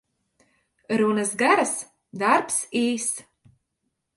Runas garas, darbs īss.